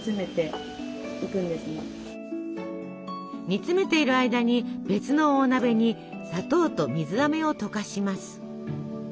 煮詰めている間に別の大鍋に砂糖と水あめを溶かします。